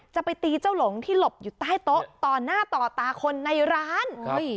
จะไปตีเจ้าหลงที่หลบอยู่ใต้โต๊ะต่อหน้าต่อตาคนในร้าน